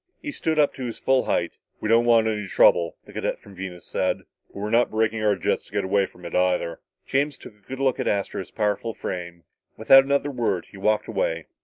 He stood up to his full height. "We don't want any trouble," the cadet from Venus said, "but we're not braking our jets to get away from it, either." James took a good look at Astro's powerful frame. Without another word he walked away.